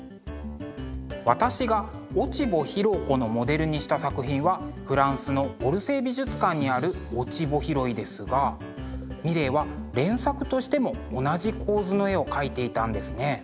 私が「落穂拾子」のモデルにした作品はフランスのオルセー美術館にある「落ち穂拾い」ですがミレーは連作としても同じ構図の絵を描いていたんですね。